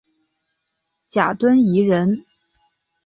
贾敦颐人。